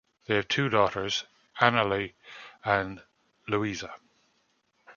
They have two daughters, Annalie and Luisa.